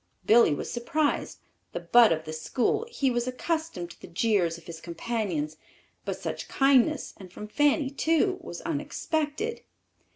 Billy was surprised. The butt of the school, he was accustomed to the jeers of his companions, but such kindness, and from Fanny, too, was unexpected.